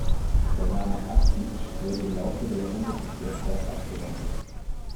Der Name Apitzsch wurde im Laufe der Jahrhunderte sehr stark abgewandelt.